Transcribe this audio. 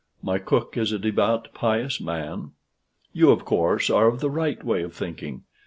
My cook is a devout pious man. You, of course, are of the right way of thinking.